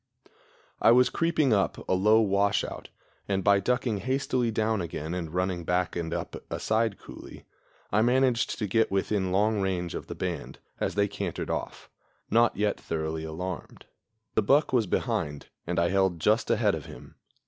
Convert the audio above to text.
I was creeping up a low washout, and, by ducking hastily down again and running back and up a side coulee, I managed to get within long range of the band as they cantered off, not yet thoroughly alarmed. The buck was behind, and I held just ahead of him.